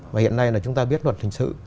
và hiện nay là chúng ta biết luật hình sự